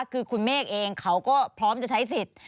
คือคุณเมฆเองเขาก็พร้อมจะใช้สิทธิ์